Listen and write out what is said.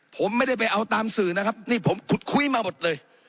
ผมไม่ได้ไปเอาตามสื่อนะครับนี่ผมขุดคุยมาหมดเลย